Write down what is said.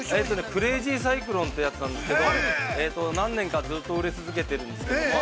◆クレイジーサイクロンという商品なんですけど、何年かずっと売れ続けています。